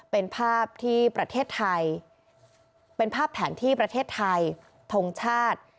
เป็นภาพแถนที่ประเทศไทยทงชาติ